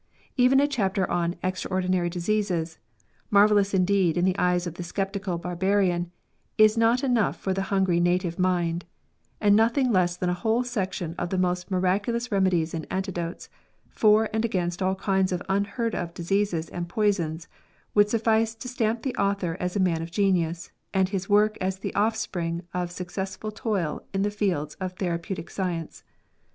Even a chapter on " Extraordinary Diseases," marvellous indeed in the eyes of the scep tical barbarian, is not enough for the hungry native mind ; and nothing less than a whole section of the most miraculous remedies and antidotes, for and against all kinds of unheard of diseases and poisons, would suffice to stamp the author as a man of genius, and his work as the offspring of successful toil in the fields of therapeutic science.